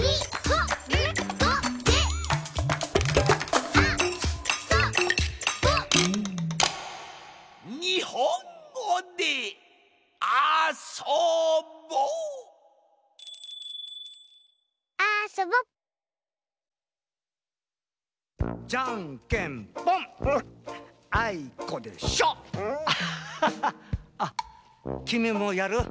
ははっあっきみもやる？